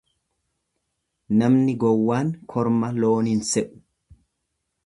Namni gowwaan korma loon hin se'u.